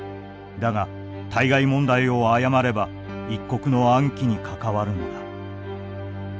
だが対外問題を誤れば一国の安危に関わるのだ」。